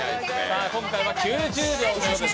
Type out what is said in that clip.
今回は９０秒です。